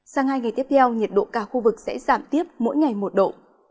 sang hai ngày tiếp theo nhiệt độ cả khu vực sẽ giảm tiếp mỗi ngày một độ